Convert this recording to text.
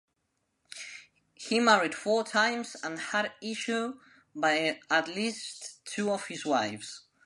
He married four times and had issue by at least two of his wives.